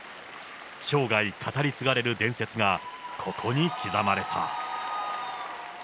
生涯語り継がれる伝説がここに刻まれた。